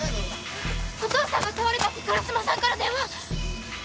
お父さんが倒れたって烏丸さんから電話！